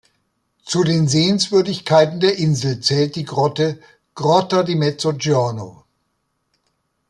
Zu den Sehenswürdigkeiten der Insel zählt die Grotte "Grotta di Mezzogiorno".